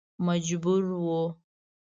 مجبور و.